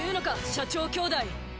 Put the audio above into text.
社長兄弟！